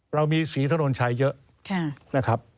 เรามีศรีถนนชัยเยอะ